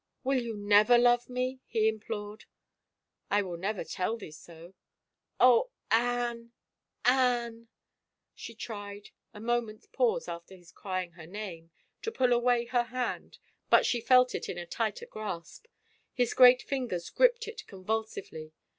" Will you never love me? " he implored^ " I will never tell thee so." " Oh, Anne — Anne I " She tried, a moment's pause after his crying her name, to pull away her hand but she felt it in a tighter grasp. His great fingers gripped it convulsively.